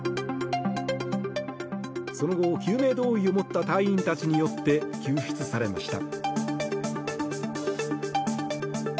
その後、救命胴衣を持った隊員たちによって救出されました。